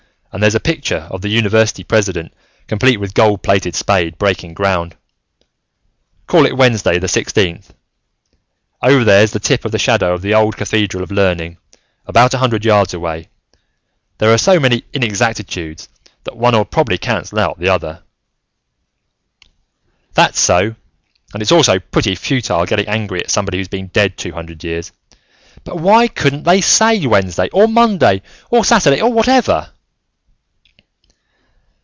"And there's a picture of the university president, complete with gold plated spade, breaking ground. Call it Wednesday, the sixteenth. Over there's the tip of the shadow of the old Cathedral of Learning, about a hundred yards away. There are so many inexactitudes, that one'll probably cancel out the other." "That's so, and it's also pretty futile getting angry at somebody who's been dead two hundred years, but why couldn't they say Wednesday, or Monday, or Saturday, or whatever?"